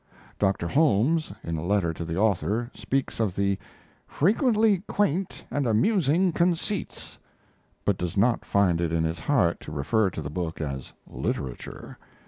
Doctor Holmes, in a letter to the author, speaks of the "frequently quaint and amusing conceits," but does not find it in his heart to refer to the book as literature.